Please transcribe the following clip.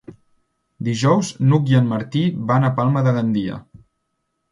Dijous n'Hug i en Martí van a Palma de Gandia.